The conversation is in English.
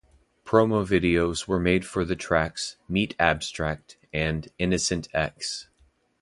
Promo videos were made for the tracks "Meat Abstract" and "Innocent X".